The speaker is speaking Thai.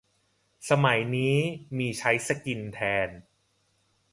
สมัยนี้มีใช้สกิล แทน